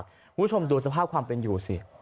คุณผู้ชมดูสภาพความเป็นอยู่สิ